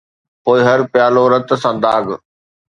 پوءِ هر پيالو رت سان داغ